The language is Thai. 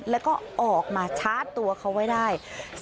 แล้วก็ออกมาชาร์จตัวเขาไว้ได้